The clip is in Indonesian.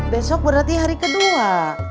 besok berarti hari kedua